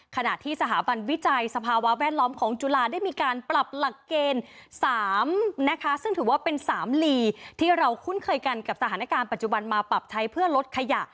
ขณะที่สถาบันวิจัยสภาวะแวดล้อมของจุฬาได้มีการปรับหลักเกณฑ์๓นะคะซึ่งถือว่าเป็น๓ลีที่เราคุ้นเคยกันกับสถานการณ์ปัจจุบันมาปรับใช้เพื่อลดขยะ